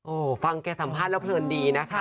ฟังแกสัมภาษณ์แล้วเพลินดีนะคะ